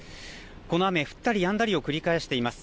この雨、降ったりやんだりを繰り返しています。